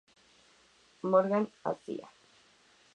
Morgan Asia.